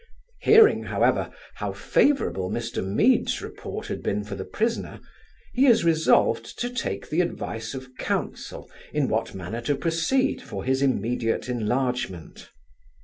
Hearing, however, how favourable Mr Mead's report had been for the prisoner, he is resolved to take the advice of counsel in what manner to proceed for his immediate enlargement.